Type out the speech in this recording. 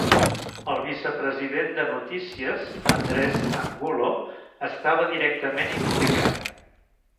El vicepresident de Notícies, Andres Angulo, estava directament implicat.